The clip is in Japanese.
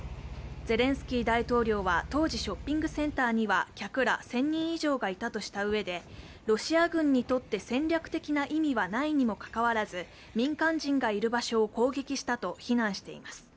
ゼレンスキー大統領は当時ショッピングセンターには客ら１０００人以上がいたとしたうえでロシア軍にとって戦略的な意味はないにもかかわらず、民間人がいる場所を攻撃したと非難しています。